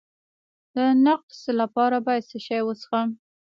د نقرس لپاره باید څه شی وڅښم؟